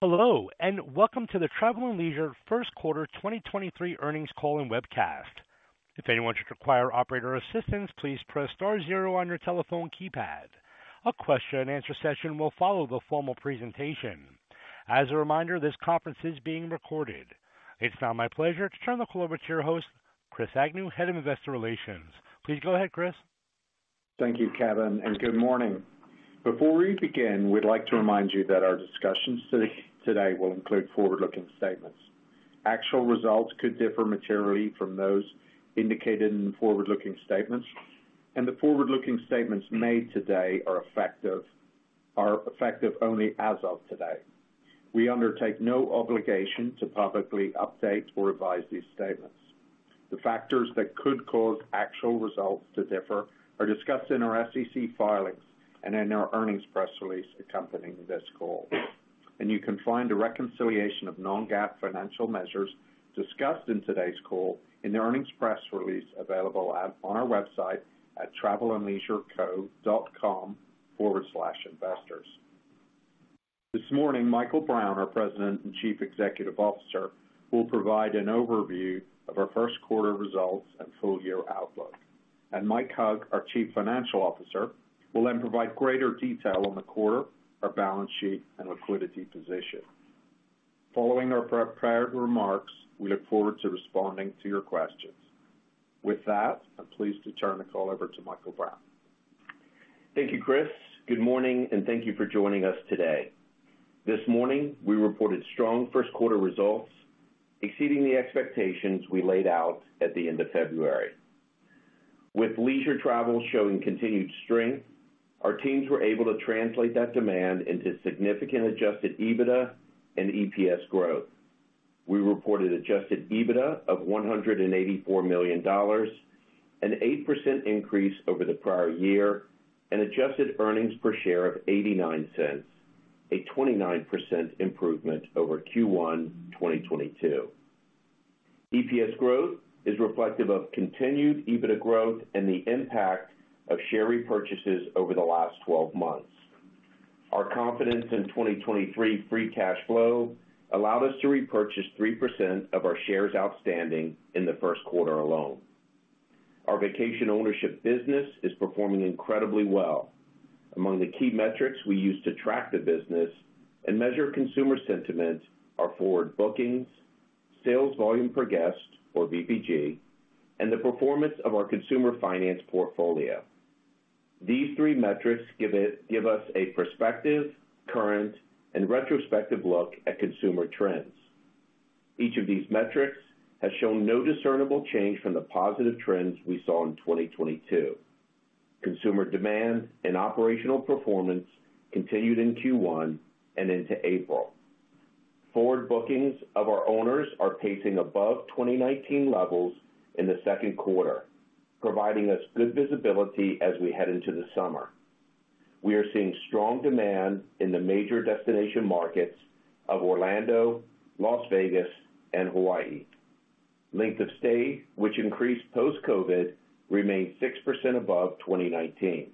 Hello, and welcome to the Travel + Leisure First Quarter 2023 Earnings Call and Webcast. If anyone should require operator assistance, please press star 0 on your telephone keypad. A question and answer session will follow the formal presentation. As a reminder, this conference is being recorded. It's now my pleasure to turn the call over to your host, Chris Agnew, Head of Investor Relations. Please go ahead, Chris. Thank you, Kevin, good morning. Before we begin, we'd like to remind you that our discussions today will include forward-looking statements. Actual results could differ materially from those indicated in the forward-looking statements, and the forward-looking statements made today are effective only as of today. We undertake no obligation to publicly update or revise these statements. The factors that could cause actual results to differ are discussed in our SEC filings and in our earnings press release accompanying this call. You can find a reconciliation of non-GAAP financial measures discussed in today's call in the earnings press release available on our website at travelandleisureco.com/investors. This morning, Michael Brown, our President and Chief Executive Officer, will provide an overview of our first quarter results and full year outlook. Mike Hug, our Chief Financial Officer, will then provide greater detail on the quarter, our balance sheet, and liquidity position. Following our pre-prior remarks, we look forward to responding to your questions. With that, I'm pleased to turn the call over to Michael Brown. Thank you, Chris. Good morning, and thank you for joining us today. This morning, we reported strong first quarter results, exceeding the expectations we laid out at the end of February. With leisure travel showing continued strength, our teams were able to translate that demand into significant adjusted EBITDA and EPS growth. We reported adjusted EBITDA of $184 million, an 8% increase over the prior year, and adjusted earnings per share of $0.89, a 29% improvement over Q1 2022. EPS growth is reflective of continued EBITDA growth and the impact of share repurchases over the last 12 months. Our confidence in 2023 free cash flow allowed us to repurchase 3% of our shares outstanding in the first quarter alone. Our vacation ownership business is performing incredibly well. Among the key metrics we use to track the business and measure consumer sentiment are forward bookings, sales volume per guest or VPG, and the performance of our consumer finance portfolio. These three metrics give us a prospective, current, and retrospective look at consumer trends. Each of these metrics has shown no discernible change from the positive trends we saw in 2022. Consumer demand and operational performance continued in Q1 and into April. Forward bookings of our owners are pacing above 2019 levels in the second quarter, providing us good visibility as we head into the summer. We are seeing strong demand in the major destination markets of Orlando, Las Vegas, and Hawaii. Length of stay, which increased post-COVID, remained 6% above 2019.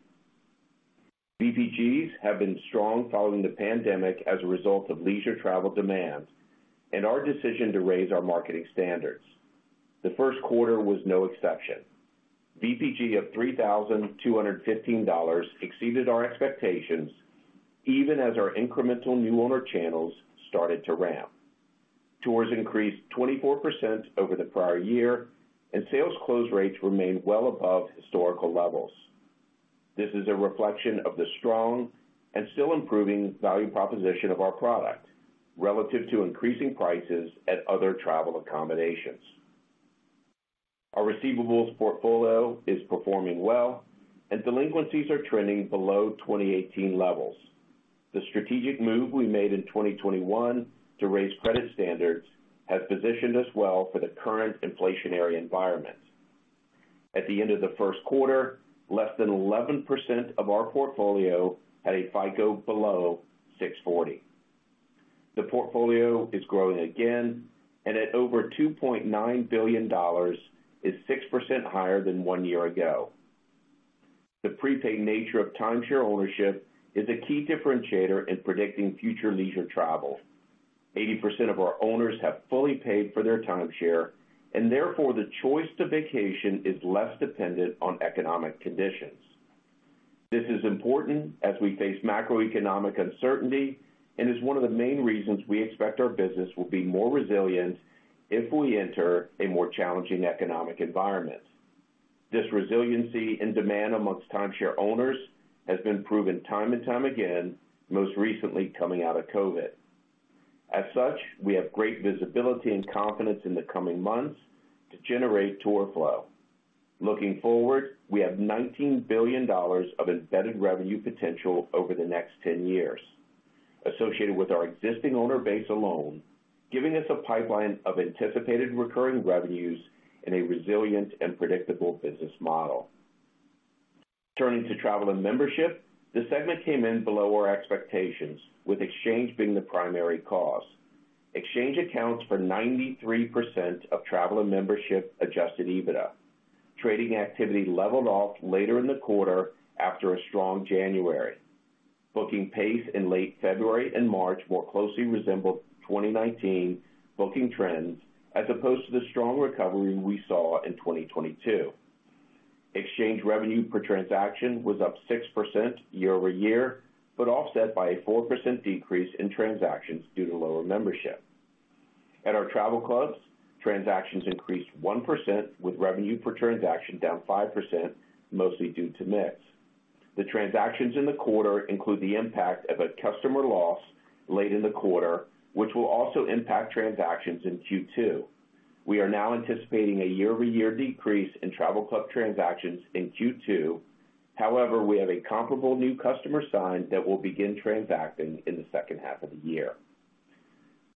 VPGs have been strong following the pandemic as a result of leisure travel demand and our decision to raise our marketing standards. The first quarter was no exception. VPG of $3,215 exceeded our expectations even as our incremental new owner channels started to ramp. Tours increased 24% over the prior year, and sales close rates remained well above historical levels. This is a reflection of the strong and still improving value proposition of our product relative to increasing prices at other travel accommodations. Our receivables portfolio is performing well, and delinquencies are trending below 2018 levels. The strategic move we made in 2021 to raise credit standards has positioned us well for the current inflationary environment. At the end of the first quarter, less than 11% of our portfolio had a FICO below 640. The portfolio is growing again, at over $2.9 billion is 6% higher than one year ago. The prepaid nature of timeshare ownership is a key differentiator in predicting future leisure travel. 80% of our owners have fully paid for their timeshare, and therefore the choice to vacation is less dependent on economic conditions. This is important as we face macroeconomic uncertainty and is one of the main reasons we expect our business will be more resilient if we enter a more challenging economic environment. This resiliency and demand amongst timeshare owners has been proven time and time again, most recently coming out of COVID. As such, we have great visibility and confidence in the coming months to generate tour flow. Looking forward, we have $19 billion of embedded revenue potential over the next 10 years associated with our existing owner base alone, giving us a pipeline of anticipated recurring revenues in a resilient and predictable business model. Turning to travel and membership, the segment came in below our expectations, with exchange being the primary cause. Exchange accounts for 93% of traveler membership adjusted EBITDA. Trading activity leveled off later in the quarter after a strong January. Booking pace in late February and March more closely resembled 2019 booking trends as opposed to the strong recovery we saw in 2022. Exchange revenue per transaction was up 6% year-over-year. Offset by a 4% decrease in transactions due to lower membership. At our travel clubs, transactions increased 1% with revenue per transaction down 5%, mostly due to mix. The transactions in the quarter include the impact of a customer loss late in the quarter, which will also impact transactions in Q2. We are now anticipating a year-over-year decrease in travel club transactions in Q2. However, we have a comparable new customer signed that will begin transacting in the second half of the year.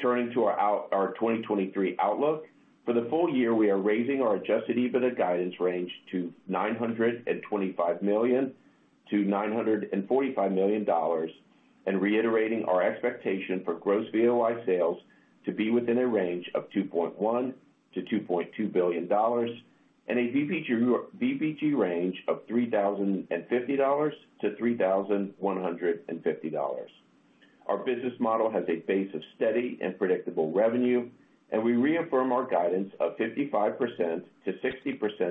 Turning to our 2023 outlook. For the full year, we are raising our adjusted EBITDA guidance range to $925 million-$945 million and reiterating our expectation for gross VOI sales to be within a range of $2.1 billion-$2.2 billion and a VPG range of $3,050-$3,150. Our business model has a base of steady and predictable revenue. We reaffirm our guidance of 55%-60%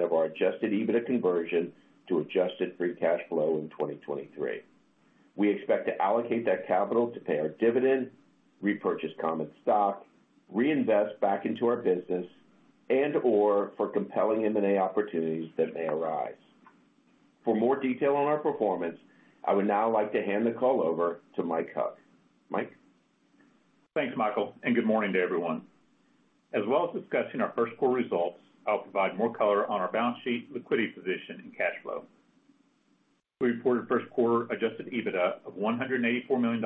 of our adjusted EBITDA conversion to adjusted free cash flow in 2023. We expect to allocate that capital to pay our dividend, repurchase common stock, reinvest back into our business, and/or for compelling M&A opportunities that may arise. For more detail on our performance, I would now like to hand the call over to Mike Hug. Mike? Thanks, Michael. Good morning to everyone. As well as discussing our first quarter results, I'll provide more color on our balance sheet, liquidity position, and cash flow. We reported first quarter adjusted EBITDA of $184 million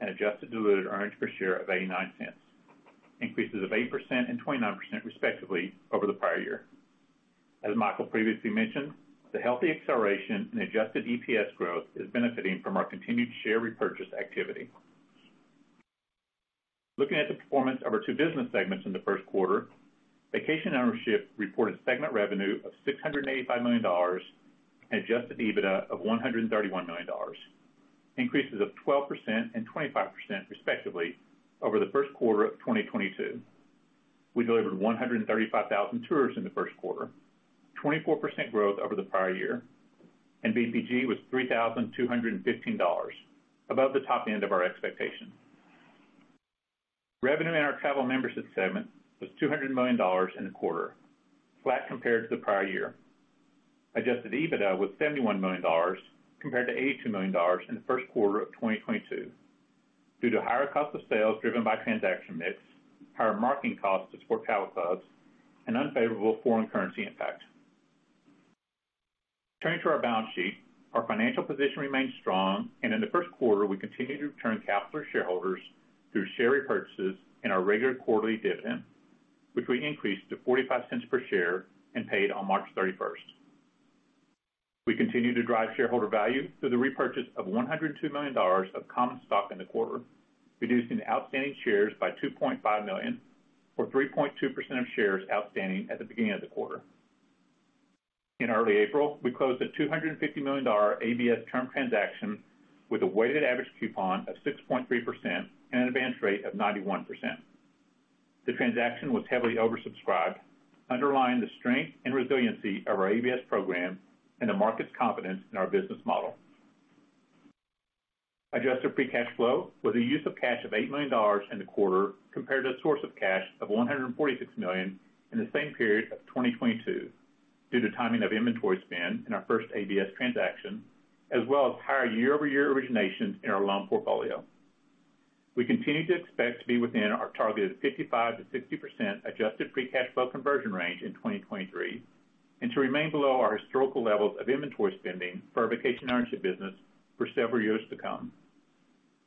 and adjusted diluted earnings per share of $0.89, increases of 8% and 29% respectively over the prior year. As Michael previously mentioned, the healthy acceleration in adjusted EPS growth is benefiting from our continued share repurchase activity. Looking at the performance of our two business segments in the first quarter, vacation ownership reported segment revenue of $685 million and adjusted EBITDA of $131 million, increases of 12% and 25% respectively over the first quarter of 2022. We delivered 135,000 tours in the first quarter, 24% growth over the prior year. VPG was $3,215, above the top end of our expectation. Revenue in our travel membership segment was $200 million in the quarter, flat compared to the prior year. Adjusted EBITDA was $71 million compared to $82 million in the first quarter of 2022 due to higher cost of sales driven by transaction mix, higher marketing costs to support travel clubs, and unfavorable foreign currency impact. Turning to our balance sheet, our financial position remains strong. In the first quarter, we continued to return capital to shareholders through share repurchases in our regular quarterly dividend, which we increased to $0.45 per share and paid on March 31st. We continue to drive shareholder value through the repurchase of $102 million of common stock in the quarter, reducing outstanding shares by 2.5 million or 3.2% of shares outstanding at the beginning of the quarter. In early April, we closed a $250 million ABS term transaction with a weighted average coupon of 6.3% and an advance rate of 91%. The transaction was heavily oversubscribed, underlying the strength and resiliency of our ABS program and the market's confidence in our business model. Adjusted free cash flow with the use of cash of $8 million in the quarter compared to the source of cash of $146 million in the same period of 2022 due to timing of inventory spend in our first ABS transaction, as well as higher year-over-year originations in our loan portfolio. We continue to expect to be within our targeted 55%-60% adjusted free cash flow conversion range in 2023 and to remain below our historical levels of inventory spending for our vacation ownership business for several years to come.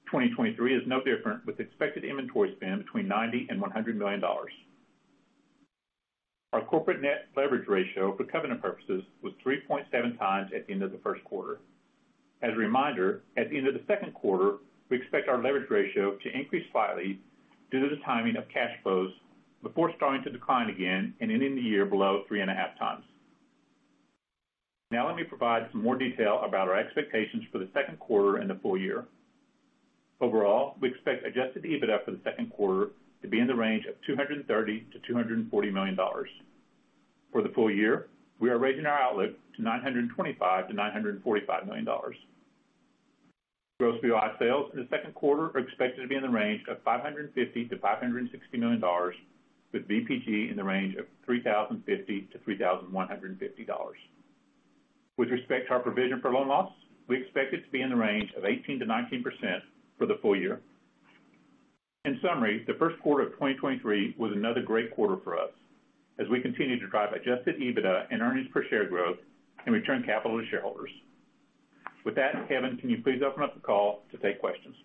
2023 is no different with expected inventory spend between $90 million and $100 million. Our corporate net leverage ratio for covenant purposes was 3.7x at the end of the first quarter. As a reminder, at the end of the second quarter, we expect our leverage ratio to increase slightly due to the timing of cash flows before starting to decline again and ending the year below 3.5x. Let me provide some more detail about our expectations for the second quarter and the full year. Overall, we expect adjusted EBITDA for the second quarter to be in the range of $230 million-$240 million. For the full year, we are raising our outlook to $925 million-$945 million. Gross VOI sales for the second quarter are expected to be in the range of $550 million-$560 million, with VPG in the range of $3,050-$3,150. With respect to our provision for loan loss, we expect it to be in the range of 18%-19% for the full year. In summary, the first quarter of 2023 was another great quarter for us as we continue to drive adjusted EBITDA and earnings per share growth and return capital to shareholders. With that, Kevin, can you please open up the call to take questions?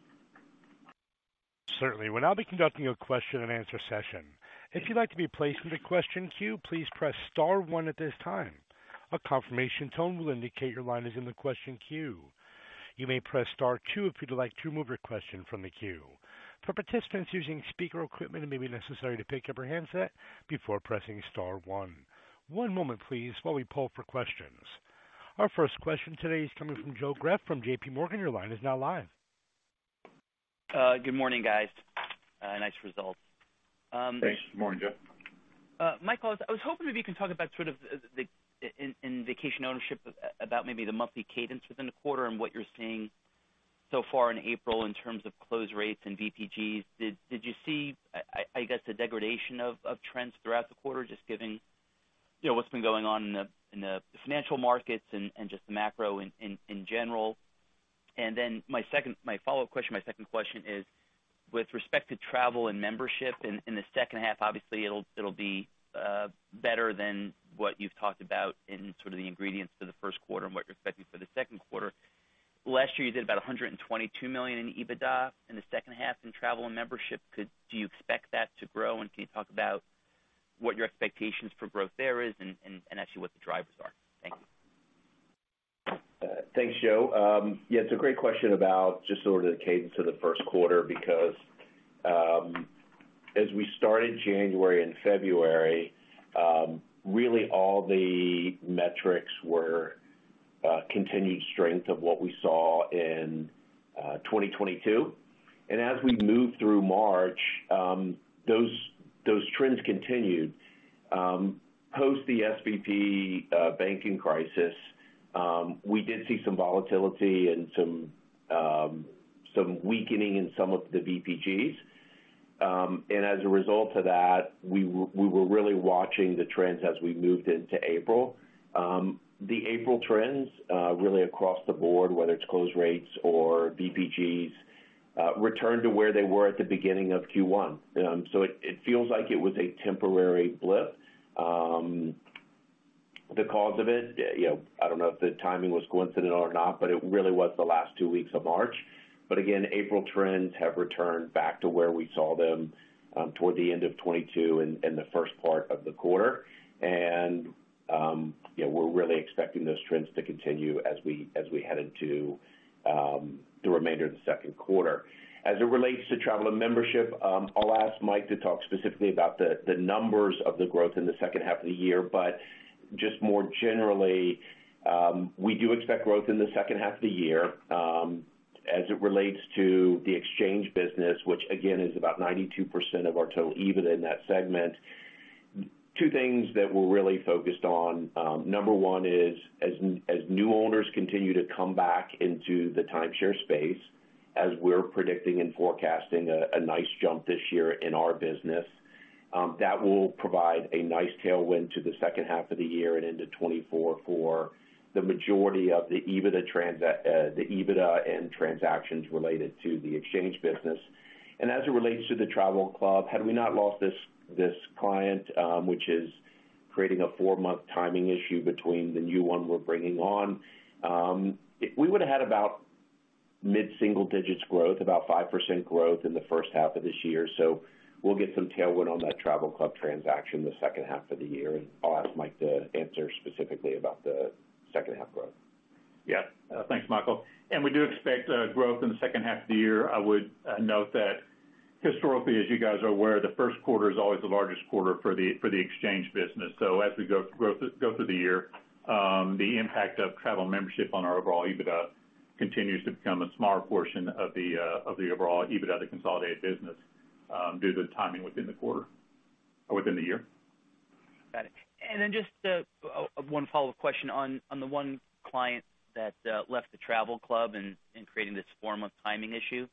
Certainly. We'll now be conducting a question and answer session. If you'd like to be placed in the question queue, please press star one at this time. A confirmation tone will indicate your line is in the question queue. You may press star two if you'd like to move your question from the queue. For participants using speaker equipment, it may be necessary to pick up your handset before pressing star one. One moment please while we pull for questions. Our first question today is coming from Joe Greff from JPMorgan. Your line is now live. Good morning, guys. Nice results. Thanks. Morning, Joe. Michael, I was hoping maybe you can talk about sort of the... in vacation ownership about maybe the monthly cadence within the quarter and what you're seeing so far in April in terms of close rates and VPGs. Did you see, I guess, the degradation of trends throughout the quarter just given, you know, what's been going on in the financial markets and just the macro in general? My follow-up question, my second question is with respect to Travel + Leisure in the second half, obviously it'll be better than what you've talked about in sort of the ingredients for the first quarter and what you're expecting for the second quarter. Last year, you did about $122 million in EBITDA in the second half in Travel + Leisure. Do you expect that to grow? can you talk about what your expectations for growth there is and actually what the drivers are? Thank you. Thanks, Joe. Yeah, it's a great question about just sort of the cadence of the first quarter because as we started January and February, really all the metrics were continued strength of what we saw in 2022. As we moved through March, those trends continued. Post the SVB banking crisis, we did see some volatility and some weakening in some of the VPGs. As a result of that, we were really watching the trends as we moved into April. The April trends really across the board, whether it's close rates or VPGs, returned to where they were at the beginning of Q1. It feels like it was a temporary blip. The cause of it, you know, I don't know if the timing was coincidental or not, it really was the last two weeks of March. Again, April trends have returned back to where we saw them toward the end of 2022 in the first part of the quarter. Yeah, we're really expecting those trends to continue as we head into the remainder of the second quarter. As it relates to travel and membership, I'll ask Mike to talk specifically about the numbers of the growth in the second half of the year. Just more generally, we do expect growth in the second half of the year as it relates to the exchange business, which again is about 92% of our total EBITDA in that segment. Two things that we're really focused on, number one is as new owners continue to come back into the timeshare space, as we're predicting and forecasting a nice jump this year in our business, that will provide a nice tailwind to the second half of the year and into 2024 for the majority of the EBITDA and transactions related to the exchange business. As it relates to the travel club, had we not lost this client, which is creating a four-month timing issue between the new one we're bringing on, we would've had about mid-single digits growth, about 5% growth in the first half of this year. We'll get some tailwind on that travel club transaction the second half of the year, and I'll ask Mike to answer specifically about the second half growth. Yeah. Thanks, Michael. We do expect growth in the second half of the year. I would note that historically, as you guys are aware, the first quarter is always the largest quarter for the exchange business. As we go through the year, the impact of travel membership on our overall EBITDA continues to become a smaller portion of the overall EBITDA, the consolidated business, due to the timing within the quarter or within the year. Got it. Then just, one follow-up question on the one client that left the travel club and creating this four-month timing issue.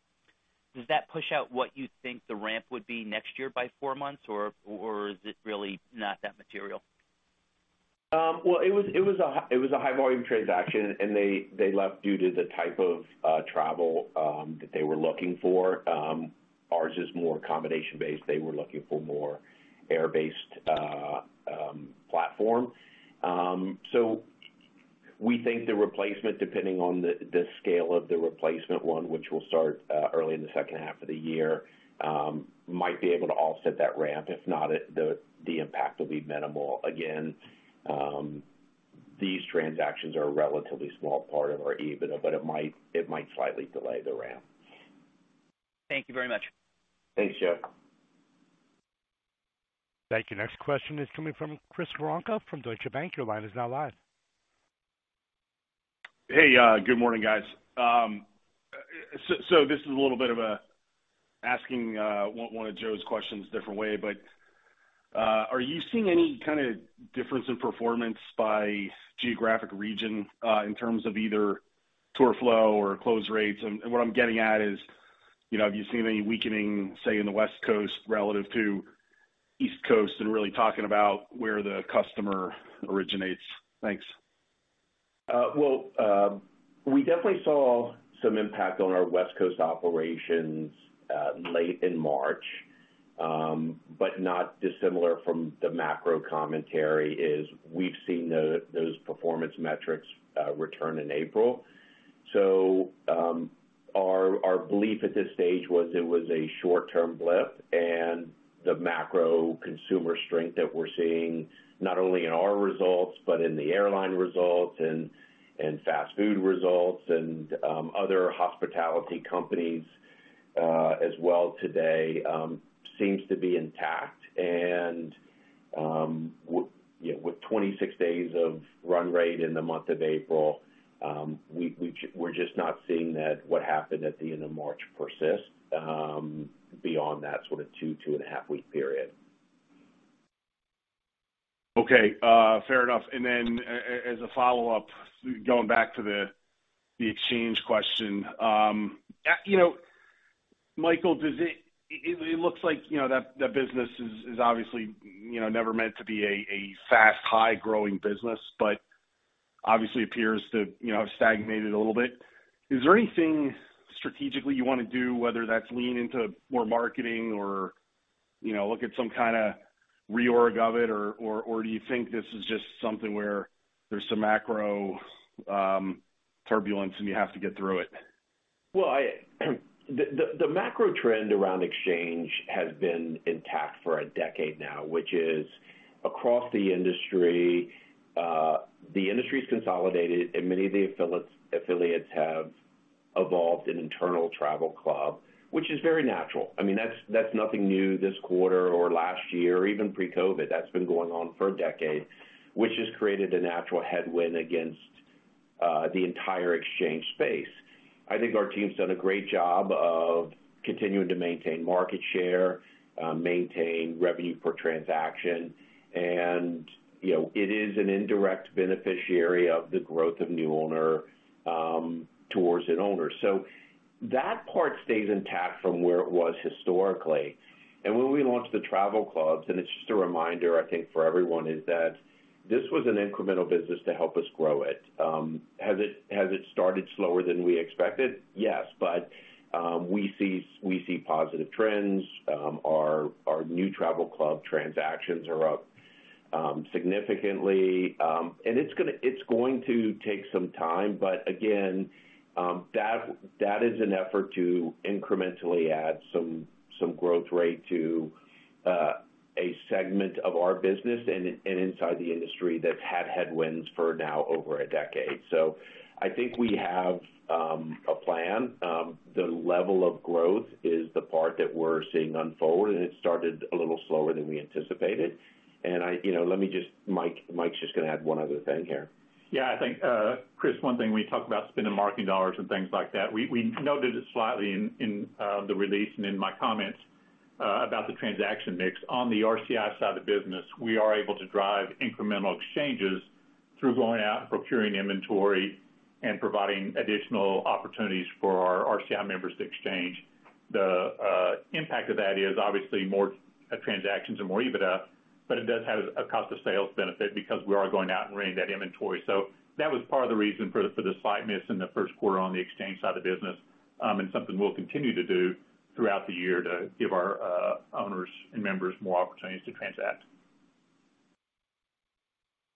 Does that push out what you think the ramp would be next year by four months, or is it really not that material? Well, it was a high volume transaction, and they left due to the type of travel that they were looking for. Ours is more accommodation based. They were looking for more air-based platform. We think the replacement, depending on the scale of the replacement one, which will start early in the second half of the year, might be able to offset that ramp. If not, the impact will be minimal. Again, these transactions are a relatively small part of our EBITDA, it might slightly delay the ramp. Thank you very much. Thanks, Joe. Thank you. Next question is coming from Chris Woronka from Deutsche Bank. Your line is now live. Hey, good morning, guys. This is a little bit of asking one of Joe's questions different way, but are you seeing any kind of difference in performance by geographic region in terms of either tour flow or close rates? What I'm getting at is, you know, have you seen any weakening, say, in the West Coast relative to East Coast and really talking about where the customer originates? Thanks. Well, we definitely saw some impact on our West Coast operations late in March. Not dissimilar from the macro commentary is we've seen those performance metrics return in April. Our belief at this stage was it was a short-term blip and the macro consumer strength that we're seeing, not only in our results but in the airline results and fast food results and other hospitality companies as well today seems to be intact. You know, with 26 days of run rate in the month of April, we're just not seeing that what happened at the end of March persist beyond that sort of two and a half week period. Okay, fair enough. Then as a follow-up, going back to the exchange question. you know, Michael, it looks like, you know, that business is obviously, you know, never meant to be a fast, high growing business, but obviously appears to, you know, have stagnated a little bit. Is there anything strategically you wanna do, whether that's lean into more marketing or, you know, look at some kinda reorg of it or do you think this is just something where there's some macro turbulence and you have to get through it? Well, the macro trend around exchange has been intact for a decade now, which is across the industry. The industry's consolidated and many of the affiliates have evolved in internal travel club, which is very natural. I mean, that's nothing new this quarter or last year or even pre-COVID. That's been going on for a decade, which has created a natural headwind against the entire exchange space. I think our team's done a great job of continuing to maintain market share, maintain revenue per transaction, and, you know, it is an indirect beneficiary of the growth of new owner towards an owner. That part stays intact from where it was historically. When we launched the travel clubs, and it's just a reminder, I think, for everyone, is that this was an incremental business to help us grow it. Has it started slower than we expected? Yes. We see positive trends. Our new travel club transactions are up significantly. It's going to take some time, but again, that is an effort to incrementally add some growth rate to a segment of our business and inside the industry that's had headwinds for now over a decade. I think we have a plan. The level of growth is the part that we're seeing unfold, and it started a little slower than we anticipated. You know, let me just Mike's just gonna add one other thing here. Yeah. I think, Chris, one thing when you talk about spending marketing dollars and things like that, we noted it slightly in the release and in my comments about the transaction mix. On the RCI side of the business, we are able to drive incremental exchanges through going out and procuring inventory and providing additional opportunities for our RCI members to exchange. The impact of that is obviously more transactions and more EBITDA, but it does have a cost of sales benefit because we are going out and bringing that inventory. That was part of the reason for the slight miss in the first quarter on the exchange side of the business, and something we'll continue to do throughout the year to give our owners and members more opportunities to transact.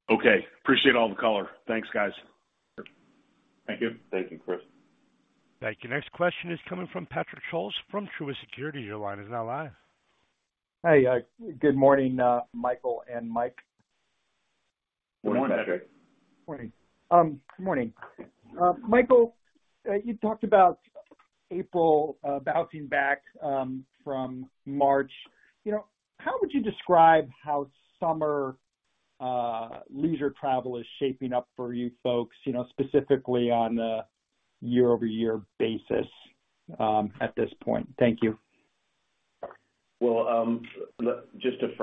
Okay. Appreciate all the color. Thanks, guys. Thank you. Thank you, Chris. Thank you. Next question is coming from Patrick Scholes from Truist Securities. Your line is now live. Hey, good morning, Michael and Mike. Good morning. Morning, Patrick. Morning. Good morning. Michael, you talked about April bouncing back from March. You know, how would you describe how summer leisure travel is shaping up for you folks, you know, specifically on a year-over-year basis at this point? Thank you. Well, look, just to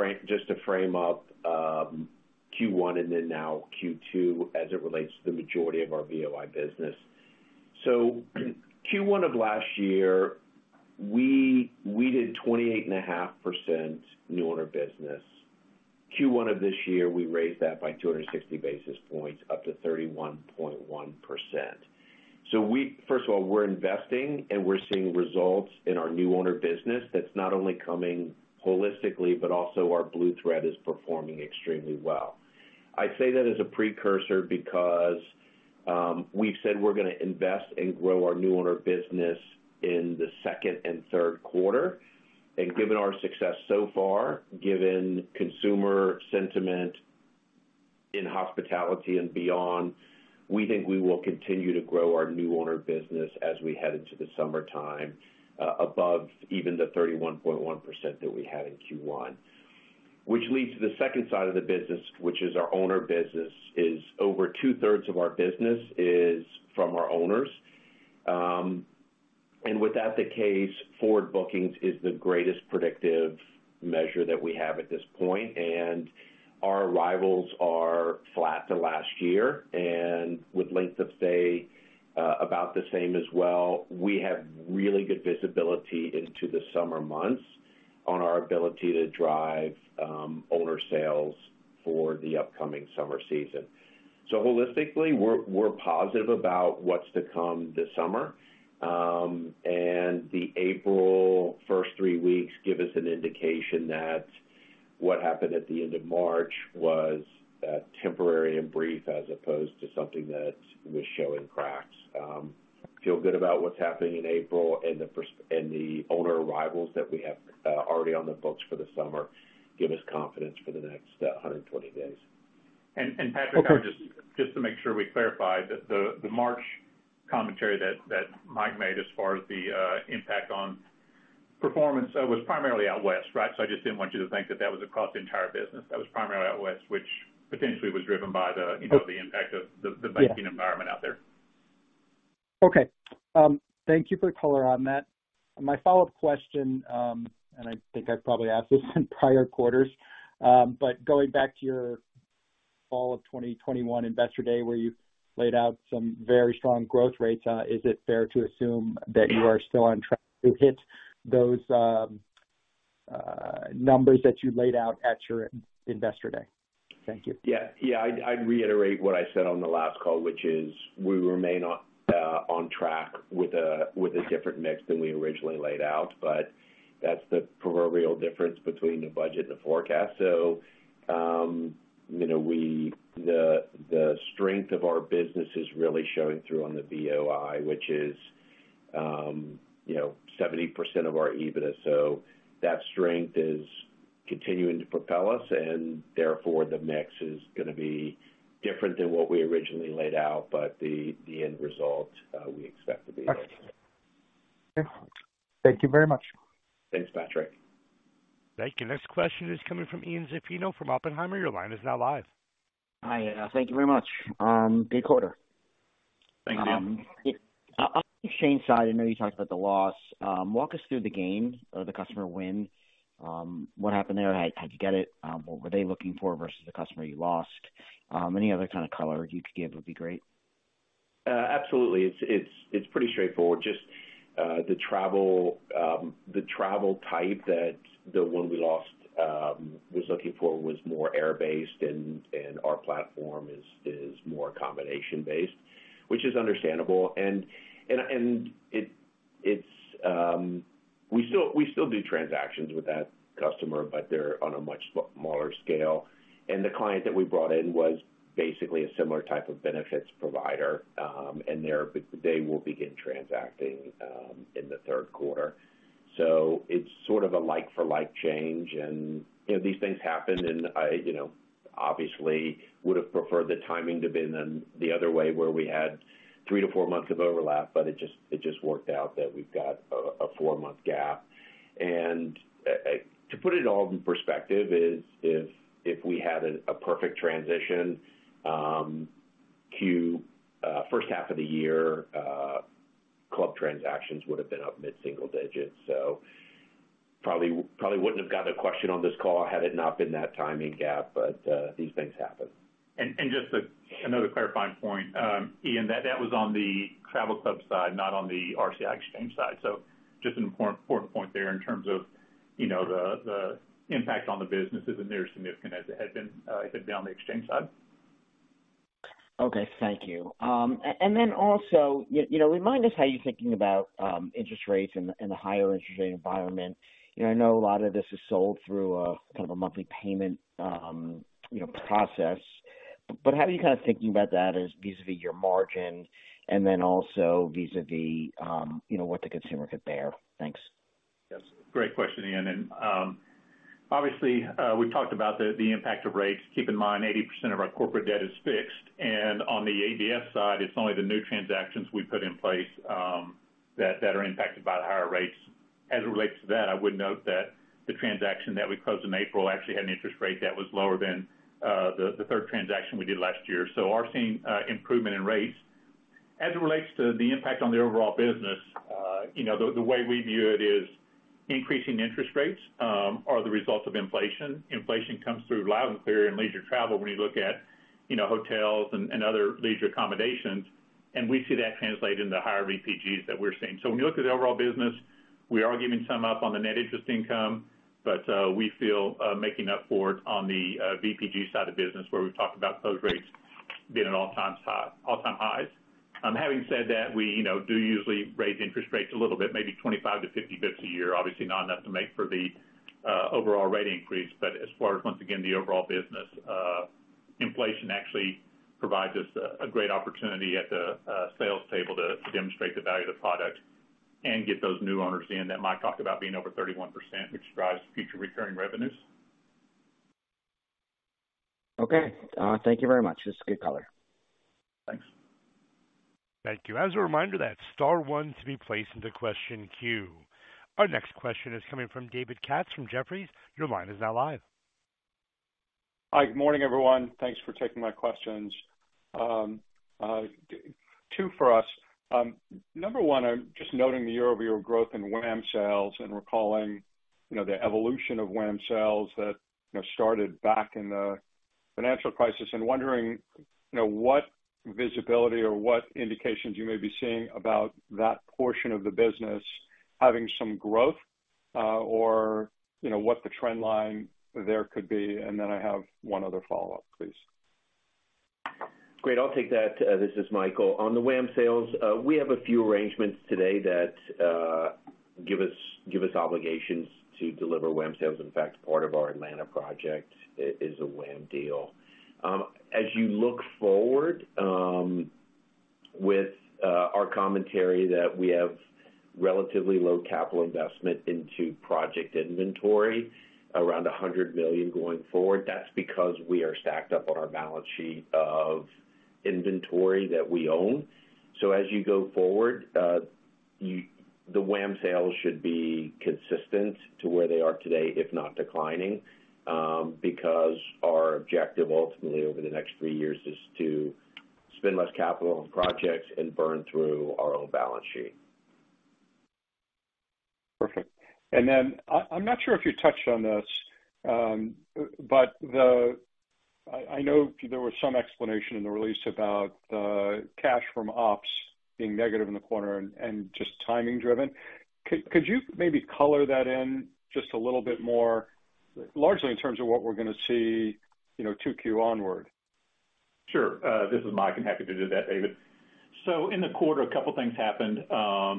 frame up Q1 and then now Q2 as it relates to the majority of our VOI business. Q1 of last year, we did 28.5% new owner business. Q1 of this year, we raised that by 260 basis points up to 31.1%. First of all, we're investing and we're seeing results in our new owner business that's not only coming holistically, but also our Blue Thread is performing extremely well. I say that as a precursor because we've said we're gonna invest and grow our new owner business in the second and third quarter. Given our success so far, given consumer sentiment in hospitality and beyond, we think we will continue to grow our new owner business as we head into the summertime, above even the 31.1% that we had in Q1. Which leads to the second side of the business, which is our owner business, is over 2/3 of our business is from our owners. With that the case, forward bookings is the greatest predictive measure that we have at this point, and our arrivals are flat to last year and with length of stay, about the same as well. We have really good visibility into the summer months on our ability to drive owner sales for the upcoming summer season. Holistically, we're positive about what's to come this summer. The April first three weeks give us an indication that what happened at the end of March was temporary and brief as opposed to something that was showing cracks. Feel good about what's happening in April and the owner arrivals that we have already on the books for the summer give us confidence for the next 120 days. Patrick. Okay. Just to make sure we clarify, the March commentary that Mike made as far as the impact on performance was primarily out west, right? I just didn't want you to think that that was across the entire business. That was primarily out west, which potentially was driven by the, you know, impact of the banking environment out there. Okay. Thank you for color on that. My follow-up question, and I think I've probably asked this in prior quarters, but going back to your fall of 2021 investor day, where you laid out some very strong growth rates, is it fair to assume that you are still on track to hit those numbers that you laid out at your in-investor day? Thank you. Yeah. Yeah. I'd reiterate what I said on the last call, which is we remain on track with a different mix than we originally laid out, but that's the proverbial difference between the budget and the forecast. You know, the strength of our business is really showing through on the VOI, which is, you know, 70% of our EBITDA. That strength is continuing to propel us and therefore the mix is gonna be different than what we originally laid out, but the end result, we expect to be okay. Okay. Thank you very much. Thanks, Patrick. Thank you. Next question is coming from Ian Zaffino from Oppenheimer. Your line is now live. Hi, thank you very much. Good quarter. Thank you. On the exchange side, I know you talked about the loss. Walk us through the gain or the customer win. What happened there? How'd you get it? What were they looking for versus the customer you lost? Any other kind of color you could give would be great. Absolutely. It's, it's pretty straightforward. Just, the travel, the travel type that the one we lost, was looking for was more air-based and our platform is more combination based, which is understandable. It's, we still, we still do transactions with that customer, but they're on a much smaller scale. The client that we brought in was basically a similar type of benefits provider, and they're, they will begin transacting in the third quarter. It's sort of a like-for-like change and, you know, these things happen, and I, you know, obviously would have preferred the timing to been the other way where we had three to four months of overlap, but it just worked out that we've got a four-month gap. To put it all in perspective is if we had a perfect transition to first half of the year, club transactions would have been up mid-single digit. Probably wouldn't have gotten a question on this call had it not been that timing gap, but these things happen. Just another clarifying point, Ian, that was on the Travel Club side, not on the RCI exchange side. Just an important point there in terms of, you know, the impact on the business isn't near significant as it had been on the exchange side. Okay. Thank you. And then also, you know, remind us how you're thinking about interest rates and the higher interest rate environment. You know, I know a lot of this is sold through a kind of a monthly payment, you know, process. How are you kind of thinking about that as vis-à-vis your margin and then also vis-à-vis, you know, what the consumer could bear? Thanks. Yes. Great question, Ian. Obviously, we've talked about the impact of rates. Keep in mind, 80% of our corporate debt is fixed, and on the ABS side, it's only the new transactions we put in place, that are impacted by the higher rates. As it relates to that, I would note that the transaction that we closed in April actually had an interest rate that was lower than the third transaction we did last year. are seeing improvement in rates. As it relates to the impact on the overall business, you know, the way we view it is increasing interest rates, are the result of inflation. Inflation comes through loud and clear in leisure travel when you look at, you know, hotels and other leisure accommodations, and we see that translate into higher VPGs that we're seeing. When you look at the overall business, we are giving some up on the net interest income, but we feel making up for it on the VPG side of the business where we've talked about those rates being at all-time highs. Having said that, we, you know, do usually raise interest rates a little bit, maybe 25 to 50 basis points a year. Obviously not enough to make for the overall rate increase. As far as once again, the overall business, inflation actually provides us a great opportunity at the sales table to demonstrate the value of the product and get those new owners in that Mike talked about being over 31%, which drives future recurring revenues. Okay. Thank you very much. It's good color. Thanks. Thank you. As a reminder, that's star one to be placed into question queue. Our next question is coming from David Katz from Jefferies. Your line is now live. Hi. Good morning, everyone. Thanks for taking my questions. Two for us. Number one, I'm just noting the year-over-year growth in WAM sales and recalling, you know, the evolution of WAM sales that, you know, started back in the financial crisis and wondering, you know, what visibility or what indications you may be seeing about that portion of the business having some growth, or, you know, what the trend line there could be. I have one other follow-up, please. Great. I'll take that. This is Michael. On the WAM sales, we have a few arrangements today that give us obligations to deliver WAM sales. In fact, part of our Atlanta project is a WAM deal. As you look forward, with our commentary that we have relatively low capital investment into project inventory, around $100 million going forward, that's because we are stacked up on our balance sheet of inventory that we own. As you go forward, the WAM sales should be consistent to where they are today, if not declining, because our objective ultimately over the next three years is to spend less capital on projects and burn through our own balance sheet. Perfect. I'm not sure if you touched on this, I know there was some explanation in the release about cash from ops being negative in the quarter and just timing driven. Could you maybe color that in just a little bit more, largely in terms of what we're gonna see, you know, 2Q onward? Sure. This is Mike. I'm happy to do that, David. In the quarter, a couple things happened.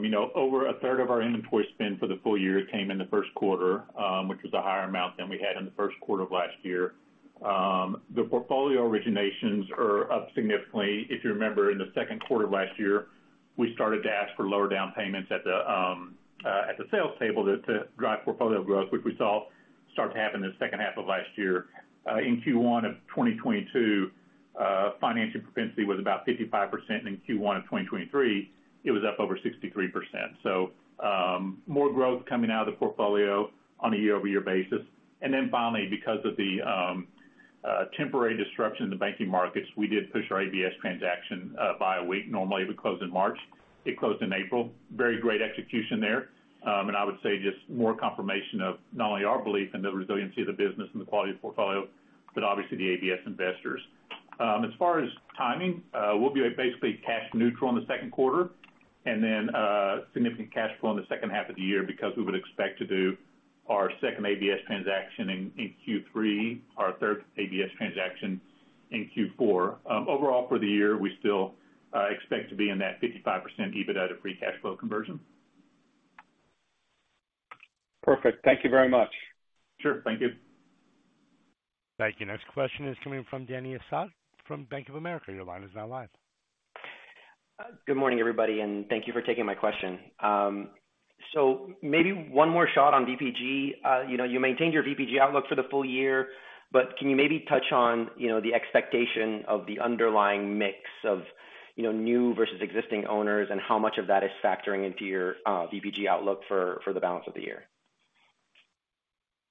You know, over a third of our inventory spend for the full year came in the first quarter, which was a higher amount than we had in the first quarter of last year. The portfolio originations are up significantly. If you remember, in the second quarter of last year, we started to ask for lower down payments at the sales table to drive portfolio growth, which we saw start to happen the second half of last year. In Q1 of 2022, financial propensity was about 55%. In Q1 of 2023, it was up over 63%. More growth coming out of the portfolio on a year-over-year basis. Finally, because of the temporary disruption in the banking markets, we did push our ABS transaction by a week. Normally, it would close in March. It closed in April. Very great execution there. I would say just more confirmation of not only our belief in the resiliency of the business and the quality of portfolio, but obviously the ABS investors. As far as timing, we'll be basically cash neutral in the second quarter, significant cash flow in the second half of the year because we would expect to do our second ABS transaction in Q3, our third ABS transaction in Q4. Overall, for the year, we still expect to be in that 55% EBITDA to free cash flow conversion. Perfect. Thank you very much. Sure. Thank you. Thank you. Next question is coming from Dany Asad from Bank of America. Your line is now live. Good morning, everybody, thank you for taking my question. Maybe one more shot on VPG. You know, you maintained your VPG outlook for the full year, can you maybe touch on, you know, the expectation of the underlying mix of, you know, new versus existing owners and how much of that is factoring into your VPG outlook for the balance of the year?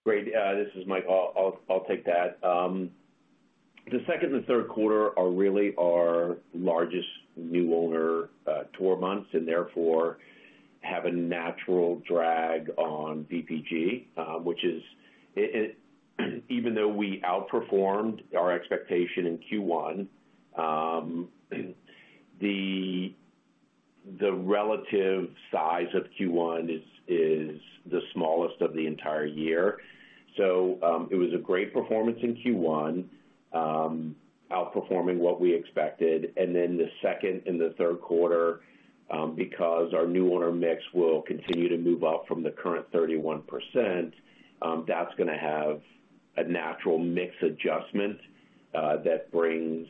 Great. This is Mike. I'll take that. The second and third quarter are really our largest new owner tour months, and therefore have a natural drag on VPG. Even though we outperformed our expectation in Q1, the relative size of Q1 is the smallest of the entire year. It was a great performance in Q1, outperforming what we expected. The second and the third quarter, because our new owner mix will continue to move up from the current 31%, that's gonna have a natural mix adjustment that brings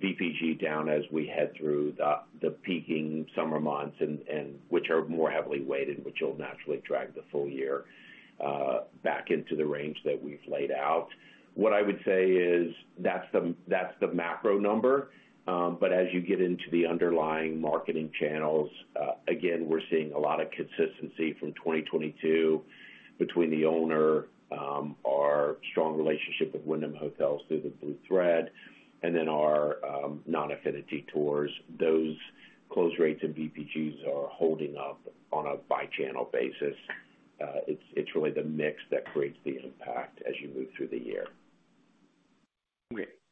VPG down as we head through the peaking summer months and which are more heavily weighted, which will naturally drag the full year back into the range that we've laid out. What I would say is that's the, that's the macro number, but as you get into the underlying marketing channels, again, we're seeing a lot of consistency from 2022 between the owner, our strong relationship with Wyndham Hotels through the Blue Thread, and then our non-affinity tours. Those close rates and VPGs are holding up on a by-channel basis. It's really the mix that creates the impact as you move through the year.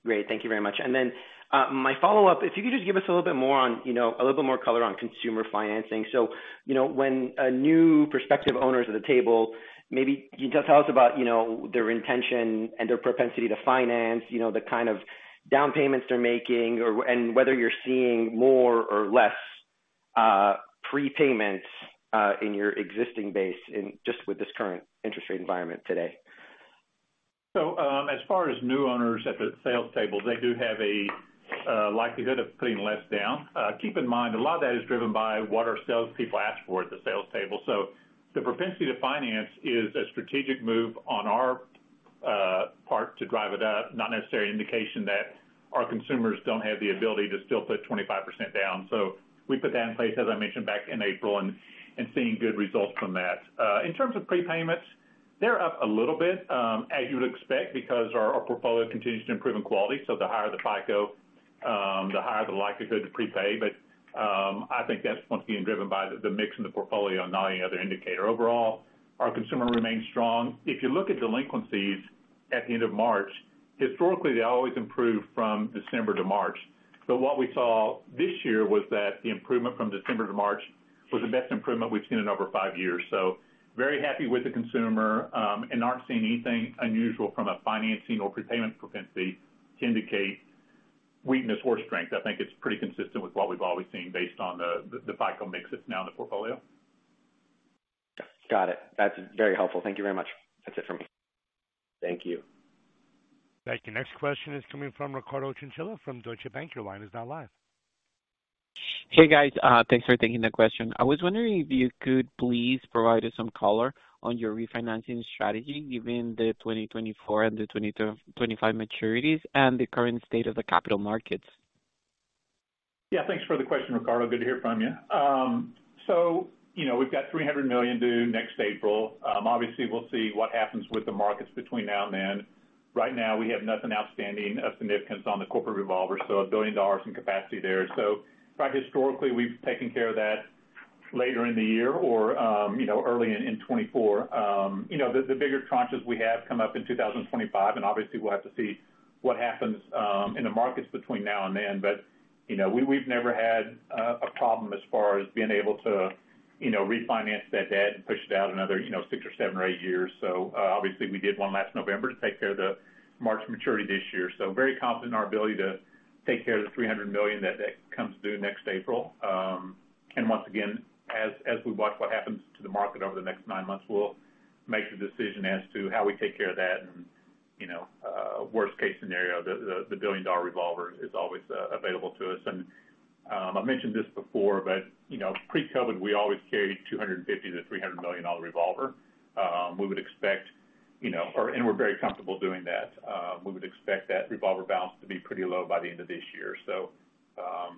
Great. Thank you very much. My follow-up, if you could just give us a little bit more on, you know, a little bit more color on consumer financing. You know, when a new prospective owner's at the table, maybe can you just tell us about, you know, their intention and their propensity to finance, you know, the kind of down payments they're making and whether you're seeing more or less prepayments in your existing base in just with this current interest rate environment today. As far as new owners at the sales table, they do have a likelihood of putting less down. Keep in mind, a lot of that is driven by what our salespeople ask for at the sales table. The propensity to finance is a strategic move on our part to drive it up, not necessarily indication that our consumers don't have the ability to still put 25% down. We put that in place, as I mentioned, back in April, and seeing good results from that. In terms of prepayments, they're up a little bit, as you would expect, because our portfolio continues to improve in quality. The higher the FICO, the higher the likelihood to prepay. I think that's once again driven by the mix in the portfolio and not any other indicator. Overall, our consumer remains strong. If you look at delinquencies at the end of March, historically, they always improve from December to March. What we saw this year was that the improvement from December to March was the best improvement we've seen in over five years. Very happy with the consumer, and aren't seeing anything unusual from a financing or prepayment propensity to indicate weakness or strength. I think it's pretty consistent with what we've always seen based on the FICO mix that's now in the portfolio. Got it. That's very helpful. Thank you very much. That's it for me. Thank you. Thank you. Next question is coming from Ricardo Chinchilla from Deutsche Bank. Your line is now live. Hey, guys. Thanks for taking the question. I was wondering if you could please provide us some color on your refinancing strategy given the 2024 and the 2025 maturities and the current state of the capital markets? Yeah, thanks for the question, Ricardo. Good to hear from you. You know, we've got $300 million due next April. Obviously we'll see what happens with the markets between now and then. Right now, we have nothing outstanding of significance on the corporate revolver, so $1 billion in capacity there. Quite historically, we've taken care of that later in the year or, you know, early in 2024. You know, the bigger tranches we have come up in 2025, and obviously we'll have to see what happens, in the markets between now and then. You know, we've never had a problem as far as being able to, you know, refinance that debt and push it out another, you know, six or seven or eight years. Obviously we did one last November to take care of the March maturity this year. Very confident in our ability to take care of the $300 million that comes due next April. Once again, as we watch what happens to the market over the next nine months, we'll make the decision as to how we take care of that. you know, worst case scenario, the $1 billion revolver is always available to us. I mentioned this before, you know, pre-COVID, we always carried $250 million-$300 million revolver. We would expect, you know, and we're very comfortable doing that. We would expect that revolver balance to be pretty low by the end of this year.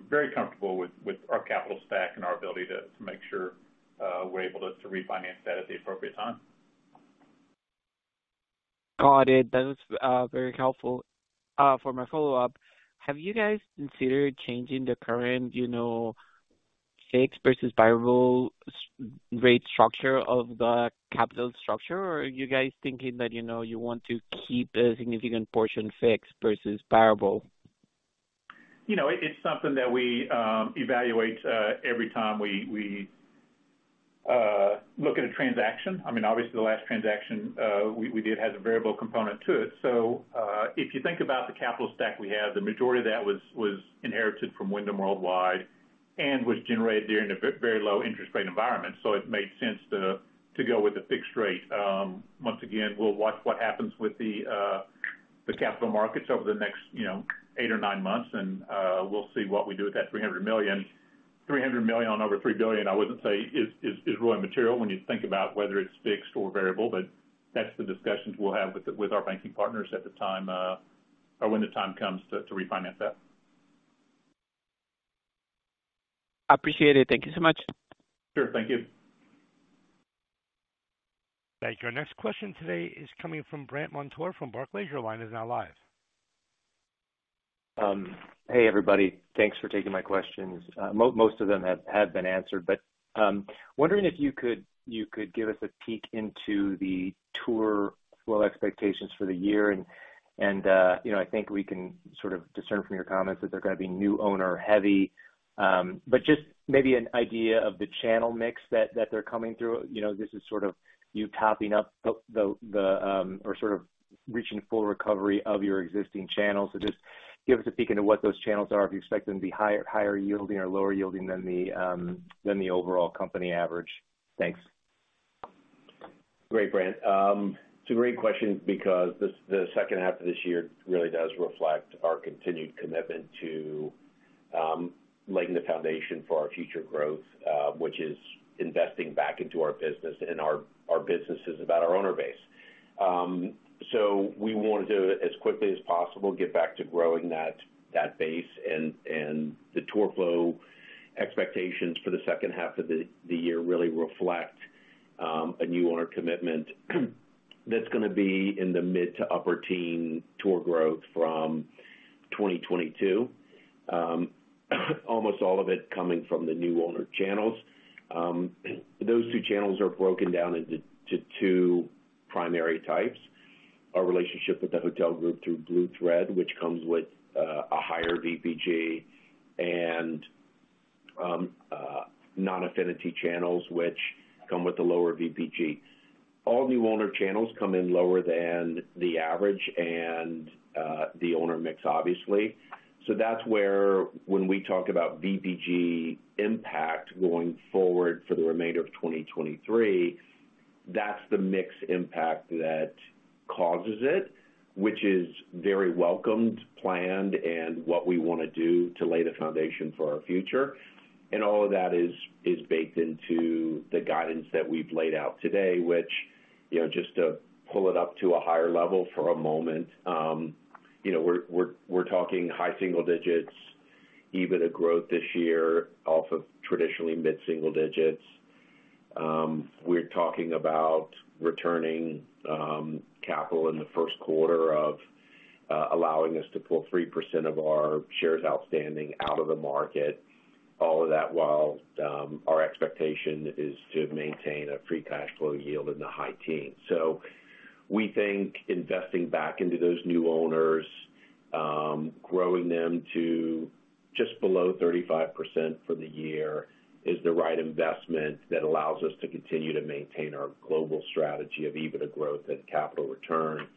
Very comfortable with our capital stack and our ability to make sure we're able to refinance that at the appropriate time. Got it. That was very helpful. For my follow-up, have you guys considered changing the current, you know, fixed versus variable rate structure of the capital structure, or are you guys thinking that, you know, you want to keep a significant portion fixed versus variable? You know, it's something that we evaluate every time we look at a transaction. I mean, obviously the last transaction we did has a variable component to it. If you think about the capital stack we have, the majority of that was inherited from Wyndham Worldwide and was generated during a very low interest rate environment, so it made sense to go with the fixed rate. Once again, we'll watch what happens with the capital markets over the next, you know, eight or nine 9 months, and we'll see what we do with that $300 million. $300 million on over $3 billion, I wouldn't say is really material when you think about whether it's fixed or variable, but that's the discussions we'll have with our banking partners at the time, or when the time comes to refinance that. Appreciate it. Thank you so much. Sure. Thank you. Thank you. Our next question today is coming from Brandt Montour from Barclays. Your line is now live. Hey, everybody. Thanks for taking my questions. Most of them have been answered, but, wondering if you could give us a peek into the tour flow expectations for the year. You know, I think we can sort of discern from your comments that they're gonna be new owner heavy. Just maybe an idea of the channel mix that they're coming through. You know, this is sort of you topping up the, or sort of reaching full recovery of your existing channels. Just give us a peek into what those channels are, if you expect them to be higher yielding or lower yielding than the overall company average. Thanks. Great, Brandt. It's a great question because the second half of this year really does reflect our continued commitment to laying the foundation for our future growth, which is investing back into our business, and our business is about our owner base. We wanna do it as quickly as possible, get back to growing that base and the tour flow expectations for the second half of the year really reflect a new owner commitment that's gonna be in the mid to upper-teen tour growth from 2022. Almost all of it coming from the new owner channels. Those two channels are broken down into two primary types. Our relationship with the hotel group through Blue Thread, which comes with a higher VPG, and non-affinity channels which come with a lower VPG. All new owner channels come in lower than the average and the owner mix obviously. That's where when we talk about VPG impact going forward for the remainder of 2023, that's the mix impact that causes it, which is very welcomed, planned, and what we wanna do to lay the foundation for our future. All of that is baked into the guidance that we've laid out today, which, you know, just to pull it up to a higher level for a moment, you know, we're talking high single digits EBITDA growth this year off of traditionally mid single digits. We're talking about returning capital in the first quarter of allowing us to pull 3% of our shares outstanding out of the market. All of that, while, our expectation is to maintain a free cash flow yield in the high teens. We think investing back into those new owners, growing them to just below 35% for the year is the right investment that allows us to continue to maintain our global strategy of EBITDA growth and capital return,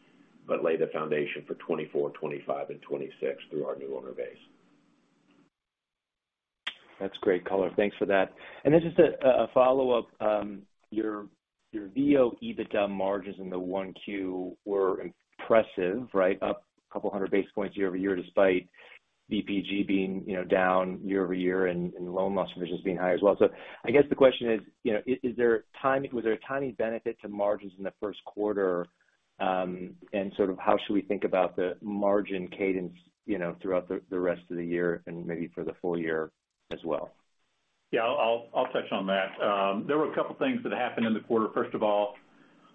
lay the foundation for 2024, 2025, and 2026 through our new owner base. That's great color. Thanks for that. This is a follow-up. Your VO EBITDA margins in the 1Q were impressive, right? Up a couple hundred basis points year-over-year, despite VPG being, you know, down year-over-year and loan losses just being high as well. I guess the question is, you know, is there a timing benefit to margins in the first quarter? Sort of how should we think about the margin cadence, you know, throughout the rest of the year and maybe for the full year as well? Yeah, I'll touch on that. There were a couple things that happened in the quarter. First of all,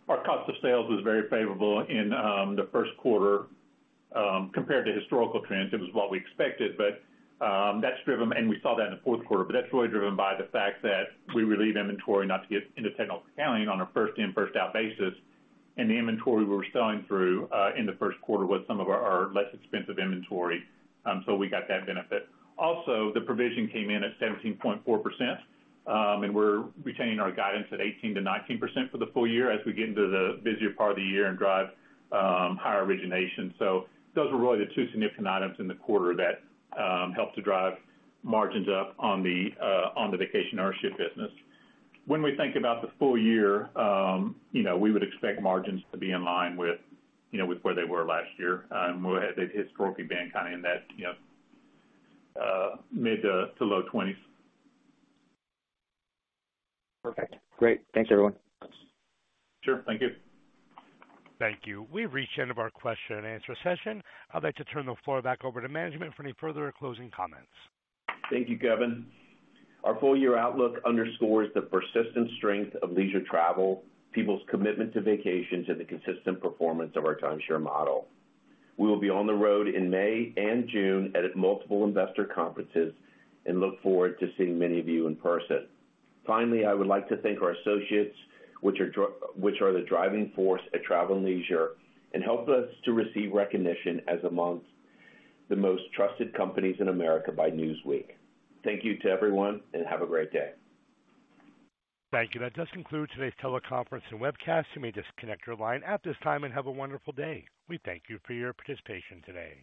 our cost of sales was very favorable in the first quarter compared to historical trends. It was what we expected, but that's really driven by the fact that we relieve inventory not to get into technical accounting on a first in, first out basis. The inventory we were selling through in the first quarter was some of our less expensive inventory, so we got that benefit. Also, the provision came in at 17.4%, and we're retaining our guidance at 18%-19% for the full year as we get into the busier part of the year and drive higher origination. Those were really the two significant items in the quarter that helped to drive margins up on the vacation ownership business. When we think about the full year, you know, we would expect margins to be in line with, you know, with where they were last year, they've historically been kind of in that, you know, mid to low 20s. Perfect. Great. Thanks everyone. Sure. Thank you. Thank you. We've reached the end of our question and answer session. I'd like to turn the floor back over to management for any further closing comments. Thank you, Kevin. Our full year outlook underscores the persistent strength of leisure travel, people's commitment to vacations, and the consistent performance of our timeshare model. We will be on the road in May and June at multiple investor conferences and look forward to seeing many of you in person. Finally, I would like to thank our associates, which are the driving force at Travel + Leisure and help us to receive recognition as amongst the most trusted companies in America by Newsweek. Thank you to everyone and have a great day. Thank you. That does conclude today's teleconference and webcast. You may disconnect your line at this time and have a wonderful day. We thank you for your participation today.